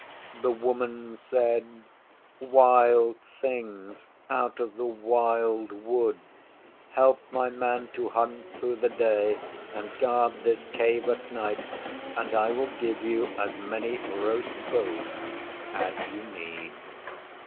The Woman said, 'Wild Thing out of the Wild Woods, help my Man to hunt through the day and guard this Cave at night, and I will give you as many roast bones as you need.